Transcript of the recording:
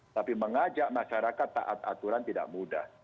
tapi mengajak masyarakat taat aturan tidak mudah